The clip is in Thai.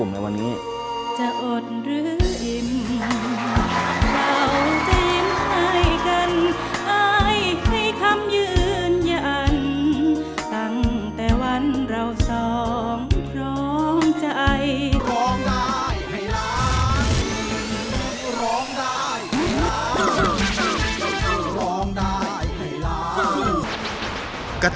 รายการต่อไปนี้เป็นรายการทั่วไปสามารถรับชมได้ทุกวัย